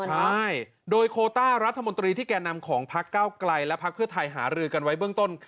ใช่โดยโคต้ารัฐมนตรีที่แก่นำของพักเก้าไกลและพักเพื่อไทยหารือกันไว้เบื้องต้น